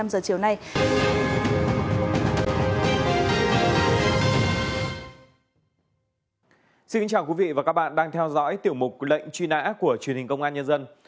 xin chào quý vị và các bạn đang theo dõi tiểu mục lệnh truy nã của truyền hình công an nhân dân